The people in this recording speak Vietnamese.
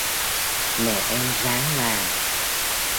mẹ em ráng làm